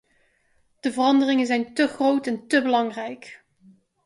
De veranderingen zijn te groot en te belangrijk.